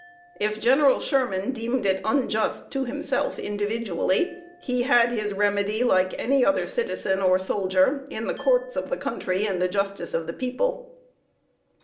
If General Sherman deemed it unjust to himself individually, he had his remedy, like any other citizen or soldier, in the courts of the country and the justice of the people.